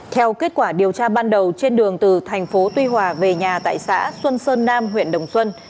theo kết quả điều tra ban đầu trên đường từ thành phố tuy hòa về nhà tại xã xuân sơn nam huyện đồng xuân